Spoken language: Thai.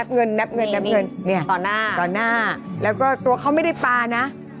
แดดแล้วก็ตัวเขาไม่ได้ปลานะ